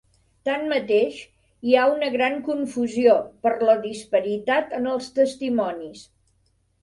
Tanmateix, hi ha una gran confusió, per la disparitat en els testimonis.